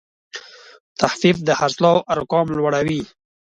تخفیف د خرڅلاو ارقام لوړوي.